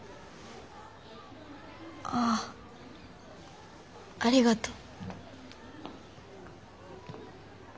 ああありがとう。